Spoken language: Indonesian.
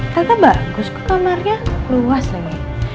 tata bagus kok kamarnya luas nih